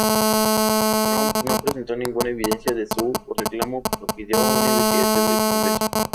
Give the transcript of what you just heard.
Trump no presentó ninguna evidencia de su reclamo, pero pidió una investigación del Congreso.